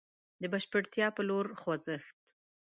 د بشپړتيا په لور خوځښت.